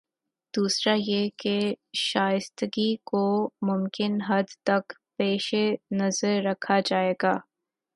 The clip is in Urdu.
دوسرا یہ کہ شائستگی کو ممکن حد تک پیش نظر رکھا جائے گا۔